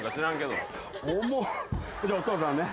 じゃあお父さんね。